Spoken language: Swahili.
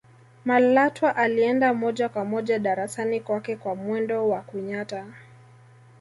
malatwa alienda moja kwa moja darasani kwake kwa mwendo wa kunyata